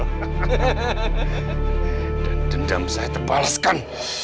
dan dendam saya terbalaskan